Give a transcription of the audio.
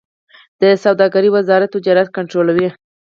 د سوداګرۍ وزارت تجارت کنټرولوي